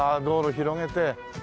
広げて。